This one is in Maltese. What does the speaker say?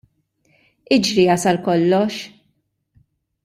Iġri jasal kollox!